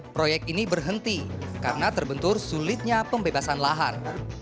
proyek ini berhenti karena terbentur sulitnya pembebasan lahan